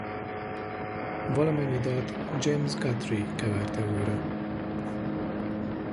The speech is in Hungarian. Valamennyi dalt James Guthrie keverte újra.